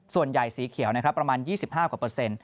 ส่วนใหญ่สีเขียวนะครับประมาณ๒๕กว่าเปอร์เซ็นต์